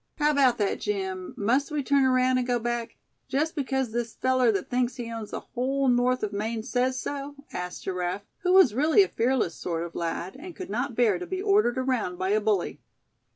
"How about that, Jim; must we turn around, and go back, just because this feller that thinks he owns the whole north of Maine, says so?" asked Giraffe; who was really a fearless sort of lad, and could not bear to be ordered around by a bully.